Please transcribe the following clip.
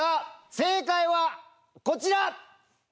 正解はこちら！